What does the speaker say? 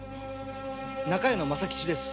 中屋の政吉です。